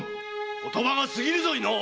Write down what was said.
言葉が過ぎるぞ飯尾！